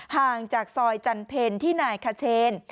ห่างจากซอยจันเพลที่นายขเชน